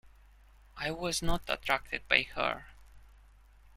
I was not attracted by her.